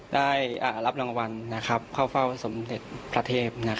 ได้รับรางวัลเข้าเฝ้าสมเด็จพระเทพ